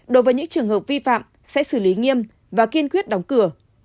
đối với những trường hợp vi phạm sẽ xử lý nghiêm và kiên quyết đóng cửa